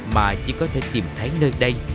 mà chỉ có thể tìm thấy nơi đây